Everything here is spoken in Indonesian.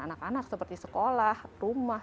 anak anak seperti sekolah rumah